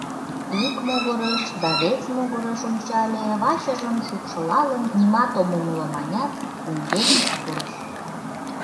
Ик могырыш да вес могырыш ончале, вачыжым шупшылалын, «нимат ом умыло» манят, мӧҥгеш пурыш.